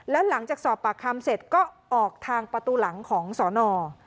แล้วหลังจากสอบปากคำเสร็จก็ออกทางประตูหลังของสอนอ